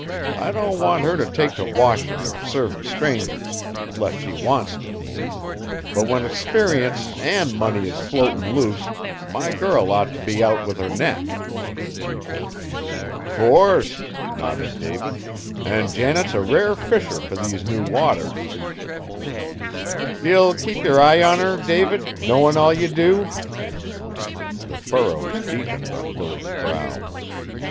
I don't want her t' take t' washin' or servin' strangers, 'less she wants t', but when 'sperience an' money is floatin' loose, my girl ought t' be out with her net." "Course!" nodded David; "an' Janet's a rare fisher fur these new waters." "Ye'll keep yer eye on her, David knowin' all ye do?" The furrows deepened on Billy's brow.